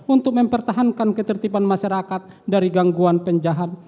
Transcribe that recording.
untuk mempertahankan ketertiban masyarakat dari gangguan penjahat